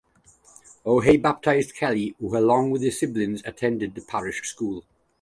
O'Hea baptised Kelly who along with his siblings attended the parish school.